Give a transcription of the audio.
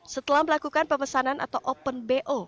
setelah melakukan pemesanan atau open bo